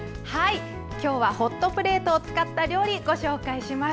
今日はホットプレートを使った料理をご紹介します。